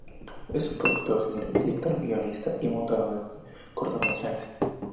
Es un productor, director, guionista y montador de cortometrajes.